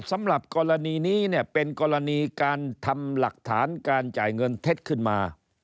สำหรับกรณีนี้เนี่ยเป็นกรณีการทำหลักฐานการจ่ายเงินเท็จขึ้นมา